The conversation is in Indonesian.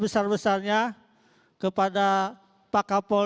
dan saya juga mengucapkan terima kasih kepada para penonton